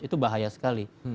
itu bahaya sekali